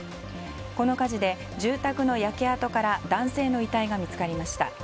この火事で、住宅の焼け跡から男性の遺体が見つかりました。